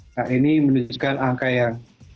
nah ini menunjukkan angka yang